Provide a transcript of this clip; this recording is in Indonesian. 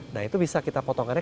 nah itu bisa kita potongnya